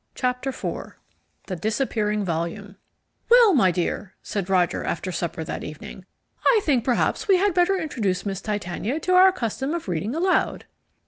Chapter IV The Disappearing Volume "Well, my dear," said Roger after supper that evening, "I think perhaps we had better introduce Miss Titania to our custom of reading aloud."